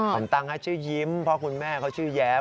ผมตั้งให้ชื่อยิ๊มเพราะคุณแม่เพราะว่าชื่อแย๊บ